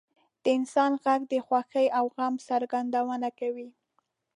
• د انسان ږغ د خوښۍ او غم څرګندونه کوي.